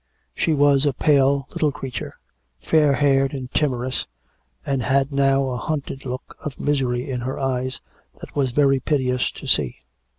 She was a pale little creature, fair haired and timorous, and had now a hunted look of misery in her eyes that was very piteous to see.